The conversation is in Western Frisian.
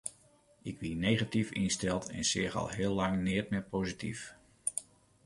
Ik wie negatyf ynsteld en seach al heel lang neat mear posityf.